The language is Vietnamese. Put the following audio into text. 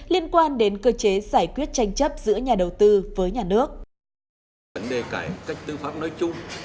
liên quan đến cơ chế giải quyết tranh chấp giữa nhà đầu tư với nhà nước